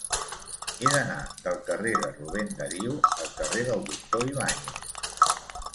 He d'anar del carrer de Rubén Darío al carrer del Doctor Ibáñez.